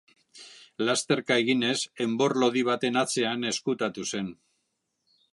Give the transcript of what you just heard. Lasterka eginez enbor lodi baten atzean ezkutatu zen.